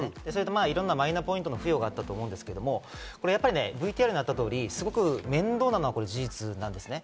いろんなマイナポイントの付与があったからだと思うんですけど、ＶＴＲにあった通り、面倒なのが事実なんですね。